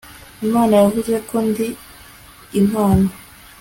imana yavuze ko ndi impano